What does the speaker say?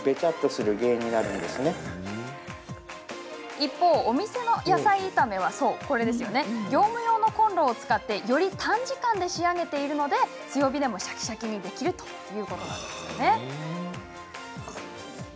一方、お店の野菜炒めは業務用のコンロを使ってより短時間で仕上げているので強火でもシャキシャキにできるそうです。